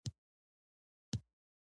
نور به څه د چا په کار وي